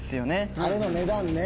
あれの値段ね。